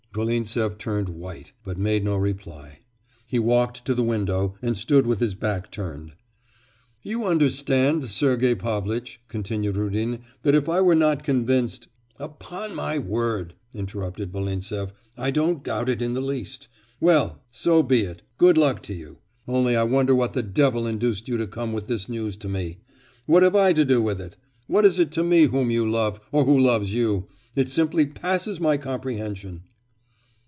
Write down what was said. Volintsev turned white, but made no reply. He walked to the window and stood with his back turned. 'You understand, Sergei Pavlitch,' continued Rudin, 'that if I were not convinced...' 'Upon my word!' interrupted Volintsev, 'I don't doubt it in the least.... Well! so be it! Good luck to you! Only I wonder what the devil induced you to come with this news to me.... What have I to do with it? What is it to me whom you love, or who loves you? It simply passes my comprehension.